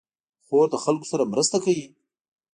خور له خلکو سره مرسته کوي.